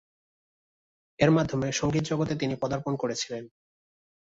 এর মাধ্যমে সঙ্গীত জগতে তিনি পদার্পণ করেছিলেন।